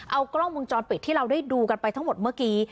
เอากล้องวงจรปิดที่เราได้ดูกันไปทั้งหมดเมื่อกี้